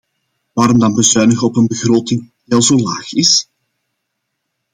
Waarom dan bezuinigen op een begroting die al zo laag is?